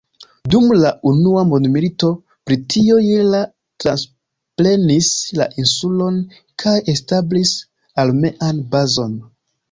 Dum la unua mondmilito Britio je la transprenis la insulon kaj establis armean bazon.